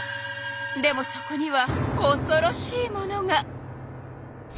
でもそこにはおそろしいものが！